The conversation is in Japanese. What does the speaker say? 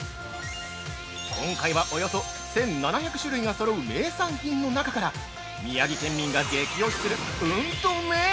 今回はおよそ１７００種類がそろう名産品の中から宮城県民が激推しする「うんとうめぇ」